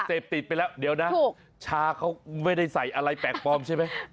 เสพติดไปแล้วเดี๋ยวนะชาเขาไม่ได้ใส่อะไรแปลกปลอมใช่ไหม